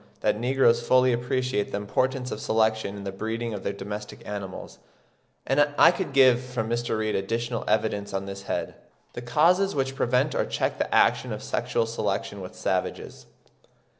that negroes fully appreciate the importance of selection in the breeding of their domestic animals, and I could give from Mr. Reade additional evidence on this head. THE CAUSES WHICH PREVENT OR CHECK THE ACTION OF SEXUAL SELECTION WITH SAVAGES.